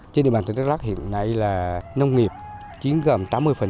trên địa bàn tỉnh đắk lắc hiện nay là nông nghiệp chiến gồm tám mươi